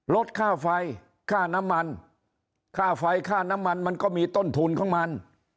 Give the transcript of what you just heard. ลดค่าไฟค่าน้ำมันค่าไฟค่าน้ำมันมันก็มีต้นทุนของมัน